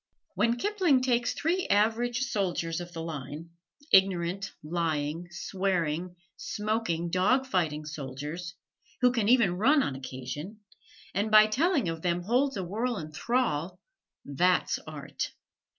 When Kipling takes three average soldiers of the line, ignorant, lying, swearing, smoking, dog fighting soldiers, who can even run on occasion, and by telling of them holds a world in thrall that's art!